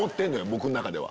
僕の中では。